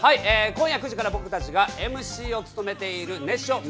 今夜９時から僕たちがＭＣを務めている『熱唱！